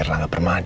ini terus nyeldakan